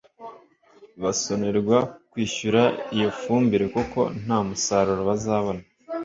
basonerwa kwishyura iyo fumbire kuko nta musaruro bazabona